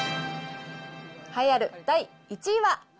栄えある第１位は。